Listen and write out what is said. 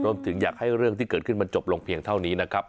ถึงอยากให้เรื่องที่เกิดขึ้นมันจบลงเพียงเท่านี้นะครับ